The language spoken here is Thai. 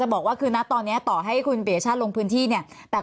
บอกว่าคือนะตอนนี้ต่อให้คุณปียชาติลงพื้นที่เนี่ย